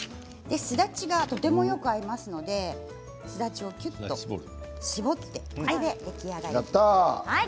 すだちがとてもよく合いますのですだちをきゅっと搾って出来上がり。